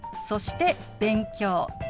そして「勉強」。